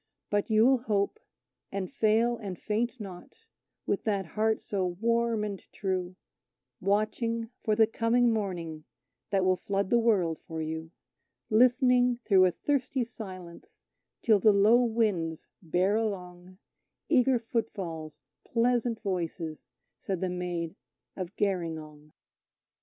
But you'll hope, and fail and faint not, with that heart so warm and true, Watching for the coming Morning, that will flood the World for you; Listening through a thirsty silence, till the low winds bear along Eager footfalls pleasant voices," said the Maid of Gerringong.